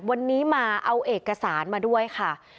วันนี้มาเอาเอกสารมาด้วยค่ะ